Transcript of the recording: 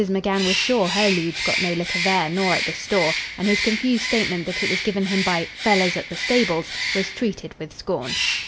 McGann was sure her liege got no liquor there nor at the store, and his confused statement that it was given him by "fellers at the stables," was treated with scorn.